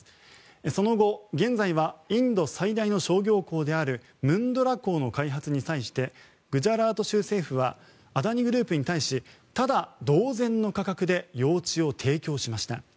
その後、現在はインド最大の商業港であるムンドラ港の開発に際してグジャラート州政府はアダニ・グループに対しタダ同然の価格で用地を提供しました。